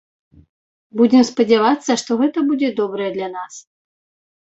Будзем спадзявацца, што гэта будзе добрае для нас.